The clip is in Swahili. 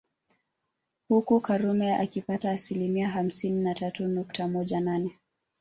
Huku Karume akipata asilimia hamsini na tatu nukta moja nane